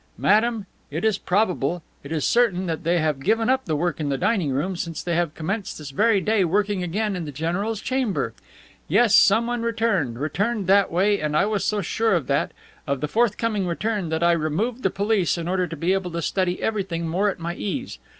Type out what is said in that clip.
"Madame, it is probable, it is certain that they have given up the work in the dining room since they have commenced this very day working again in the general's chamber. Yes, someone returned, returned that way, and I was so sure of that, of the forthcoming return, that I removed the police in order to be able to study everything more at my ease.